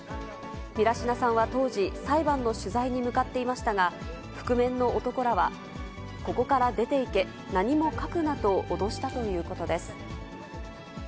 ミラシナさんは当時、裁判の取材に向かっていましたが、覆面の男らは、ここから出ていけ、何も書くなと、脅したということです。